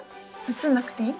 写んなくていい？